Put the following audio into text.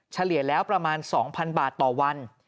เฉลี่ยแล้วประมาณ๒๐๐๐บาทต่อวัน